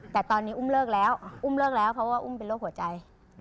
แต่ตอนนี้อุ้มเลิกแล้วเพราะว่าอุ้มเป็นโรคหัวใจ